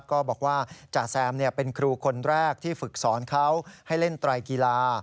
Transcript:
ก็บอกว่าจ่าแซมเป็นครูคนแรกที่ฝึกสอนเขาให้เล่นไตรกีฬา